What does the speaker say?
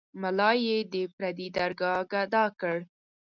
ملا یې د پردي درګاه ګدا کړ.